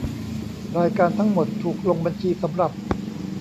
รายการทั้งหมดถูกลงบัญชีสำหรับ